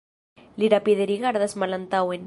Li rapide rigardas malantaŭen.